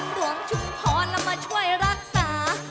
กลมหลวงชุมทอนแล้วมาช่วยรักษา